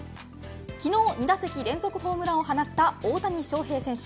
昨日、２打席連続ホームランを放った大谷翔平選手。